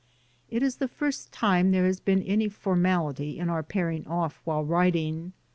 It is the first time there has been any formality in our pairing off while riding.